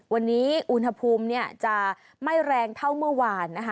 วันนี้อุณหภูมิจะไม่แรงเท่าเมื่อวานนะคะ